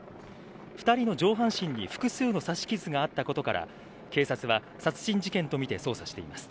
２人の上半身に複数の刺し傷があったことから警察は殺人事件としてみて捜査しています。